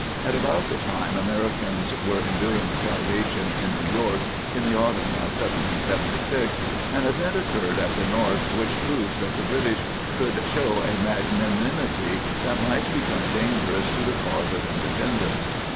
At about the time Americans were endur ing privation in New York, in the autumn of 1776, an event occurred at the north which proves that the British could show a magnanim ity that might become dangerous to the cause of independence.